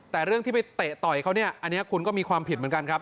แต่เรื่องที่ไปเตะต่อยเขาเนี่ยอันนี้คุณก็มีความผิดเหมือนกันครับ